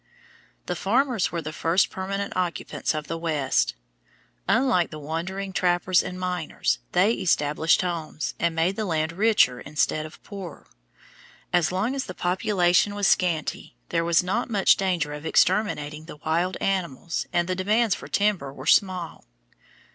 The farmers were the first permanent occupants of the West. Unlike the wandering trappers and miners, they established homes and made the land richer instead of poorer. As long as the population was scanty there was not much danger of exterminating the wild animals, and the demands for timber were small.